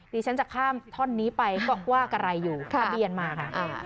ดิฉันจะข้ามท่อนนี้ไปก็ว่ากะไรอยู่ทะเบียนมาค่ะ